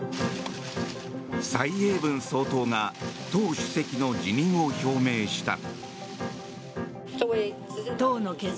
蔡英文総統が党主席の辞任を表明した。